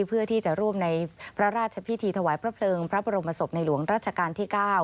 เพื่อที่จะร่วมในพระราชพิธีถวายพระเพลิงพระบรมศพในหลวงรัชกาลที่๙